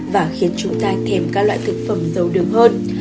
và khiến chúng ta thêm các loại thực phẩm dầu đường hơn